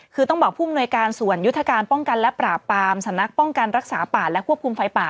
คือต้องบอกผู้อำนวยการส่วนยุทธการป้องกันและปราบปามสำนักป้องกันรักษาป่าและควบคุมไฟป่า